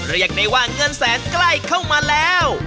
เรียกได้ว่าเงินแสนใกล้เข้ามาแล้ว